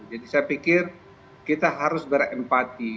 jadi saya pikir kita harus berempati